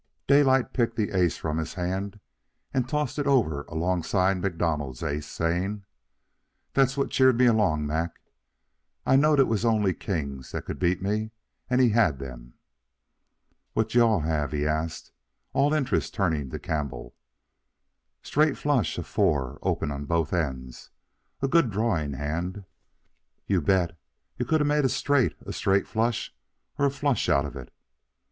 Daylight picked the ace from his hand and tossed it over alongside MacDonald's ace, saying: "That's what cheered me along, Mac. I knowed it was only kings that could beat me, and he had them. "What did you all have?" he asked, all interest, turning to Campbell. "Straight flush of four, open at both ends a good drawing hand." "You bet! You could a' made a straight, a straight flush, or a flush out of it."